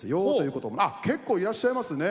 あっ結構いらっしゃいますね。